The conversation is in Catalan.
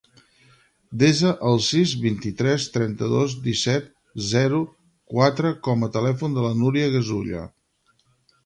Desa el sis, vint-i-tres, trenta-dos, disset, zero, quatre com a telèfon de la Núria Gasulla.